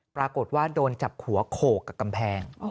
ปรากฏว่าโดนจับหัวโขกกับกำแพง